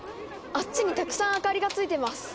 あっちにたくさん明かりがついてます。